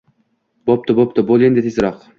Boʻpti… Boʻl endi tezroq!